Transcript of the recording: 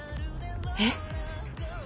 えっ？